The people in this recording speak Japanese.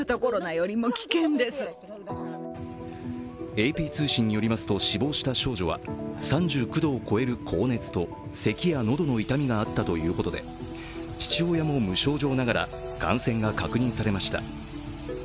ＡＰ通信によりますと、死亡した少女は３９度を超える高熱とせきや喉の痛みがあったということで父親も無症状ながら感染が確認されました。